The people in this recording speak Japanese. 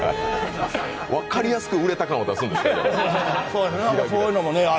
分かりやすく、売れた感を出すんですねえ。